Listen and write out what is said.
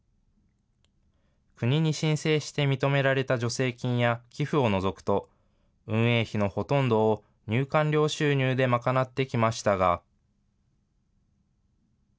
国に申請して認められた助成金や寄付を除くと、運営費のほとんどを入館料収入で賄ってきましたが。